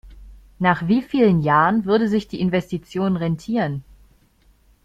Nach wie vielen Jahren würde sich die Investition rentieren?